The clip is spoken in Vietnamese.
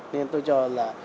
nên tôi cho là